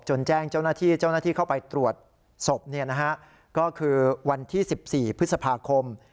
จนแจ้งเจ้าหน้าที่เจ้าหน้าที่เข้าไปตรวจศพเนี้ยนะฮะก็คือวันที่สิบสี่พฤษภาคม